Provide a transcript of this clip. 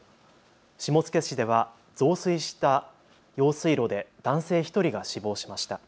下野市では増水した用水路で男性１人が死亡しました。